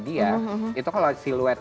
dia itu kalau siluet